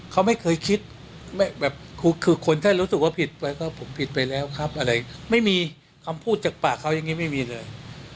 ขึ้นฆ่าตัวอะไรอย่างเงี้ย